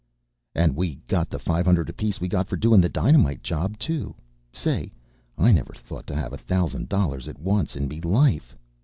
"And we got the five hundred apiece we got for doin' the dynamite job, too. Say, I never thought to have a thousand dollars at once in me life.